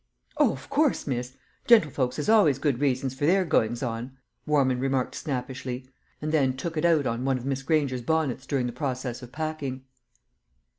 "O, of course, miss; gentlefolks has always good reasons for their goings on!" Warman remarked snappishly, and then "took it out" of one of Miss Granger's bonnets during the process of packing.